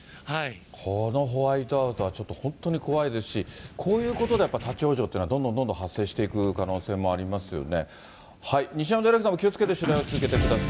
このホワイトアウトはちょっと本当に怖いですし、こういうことでやっぱ立往生というのはどんどんどんどん発生していく可能性もありますよね。